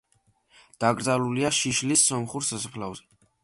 დაკრძალულია შიშლის სომხურ სასაფლაოზე.